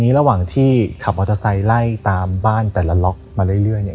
ละหว่างที่ขับออเทอร์ไซด์ตามบ้านแต่ละล็อคมาเรื่อย